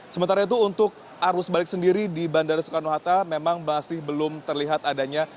sementara itu untuk arus balik sendiri di bandara soekarno hatta memang masih belum terlihat adanya